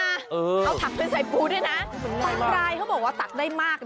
เอาถักไปใส่ปูด้วยนะบางรายเขาบอกว่าตักได้มาก